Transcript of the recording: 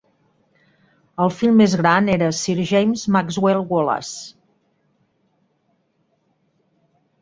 El fill més gran era Sir James Maxwell Wallace.